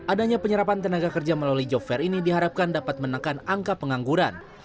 adanya penyerapan tenaga kerja melalui job fair ini diharapkan dapat menekan angka pengangguran